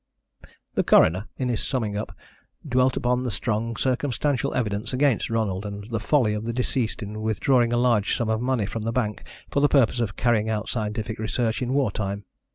The coroner, in his summing up, dwelt upon the strong circumstantial evidence against Ronald, and the folly of the deceased in withdrawing a large sum of money from the bank for the purpose of carrying out scientific research in war time.